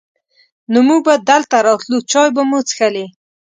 نو مونږ به دلته راتلو، چای به مو چښلې.